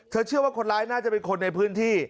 เชื่อว่าคนร้ายน่าจะเป็นคนในพื้นที่